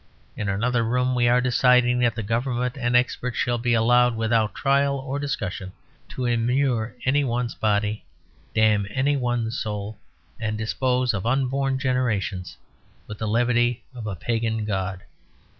In another room we are deciding that the Government and experts shall be allowed, without trial or discussion, to immure any one's body, damn any one's soul, and dispose of unborn generations with the levity of a pagan god.